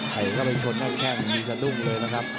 ใครก็ไปชนให้แข้งมีสันลูกเลยนะครับ